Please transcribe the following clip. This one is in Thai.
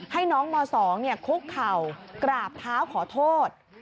ให้น้องม๒คุกเข่ากราบเท้าขอโทษ